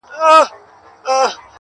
څه غزل څه قصیده وای٫